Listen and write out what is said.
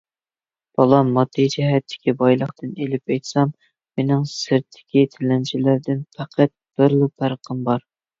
بالام، ماددىي جەھەتتىكى بايلىقتىن ئېلىپ ئېيتسام، مېنىڭ سىرتتىكى تىلەمچىلەردىن پەقەت بىرلا پەرقىم بار.